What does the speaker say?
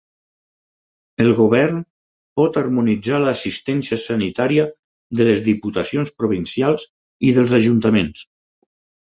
El govern pot harmonitzar l'assistència sanitària de les Diputacions Provincials i dels Ajuntaments.